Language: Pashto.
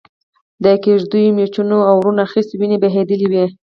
د کېږدیو مېچنو اورونه اخستي او وينې بهېدلې وې.